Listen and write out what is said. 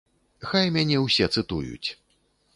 Хай мяне ўсе цытуюць.